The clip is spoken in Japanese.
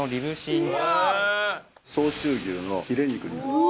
いやあ！相州牛のヒレ肉になります。